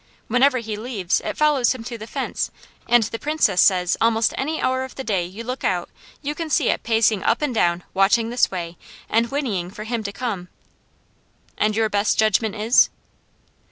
Whenever he leaves, it follows him to the fence, and the Princess says almost any hour of the day you look out you can see it pacing up and down watching this way and whinnying for him to come." "And your best judgment is